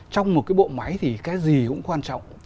trong một cái bộ máy thì cái gì cũng có